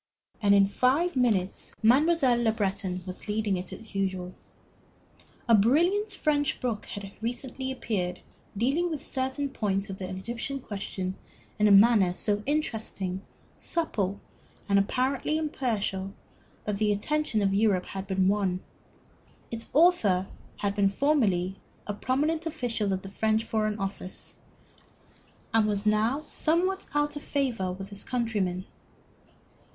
And in five minutes Mademoiselle Le Breton was leading it as usual. A brilliant French book had recently appeared dealing with certain points of the Egyptian question in a manner so interesting, supple, and apparently impartial that the attention of Europe had been won. Its author had been formerly a prominent official of the French Foreign Office, and was now somewhat out of favor with his countrymen.